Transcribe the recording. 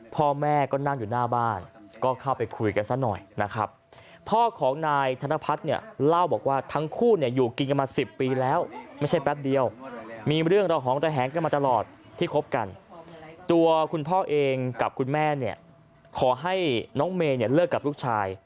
พ่อแม่ก็นั่งอยู่หน้าบ้านก็เข้าไปคุยกันซะหน่อยนะครับพ่อของนายธนพัฒน์เนี่ยเล่าบอกว่าทั้งคู่เนี่ยอยู่กินกันมาสิบปีแล้วไม่ใช่แป๊บเดียวมีเรื่องระหองระแหงกันมาตลอดที่คบกันตัวคุณพ่อเองกับคุณแม่เนี่ยขอให้น้องเมย์เนี่ยเลิกกับลูกชาย